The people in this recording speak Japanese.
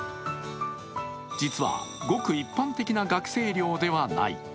実はごく一般的な学生寮ではない。